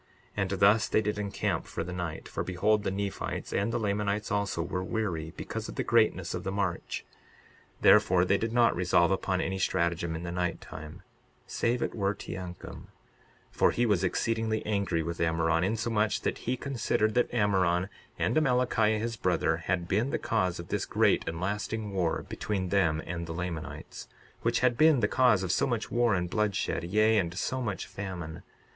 62:35 And thus they did encamp for the night. For behold, the Nephites and the Lamanites also were weary because of the greatness of the march; therefore they did not resolve upon any stratagem in the night time, save it were Teancum; for he was exceedingly angry with Ammoron, insomuch that he considered that Ammoron, and Amalickiah his brother, had been the cause of this great and lasting war between them and the Lamanites, which had been the cause of so much war and bloodshed, yea, and so much famine.